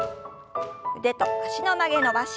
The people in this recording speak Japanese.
腕と脚の曲げ伸ばし。